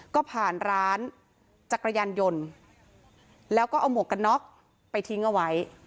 ก็ผ่านร้านจักรยานยนต์แล้วก็เอาหมวกกันน็อกไปทิ้งเอาไว้